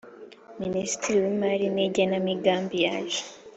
Minisitiri w Imari n Igenamigambi yaje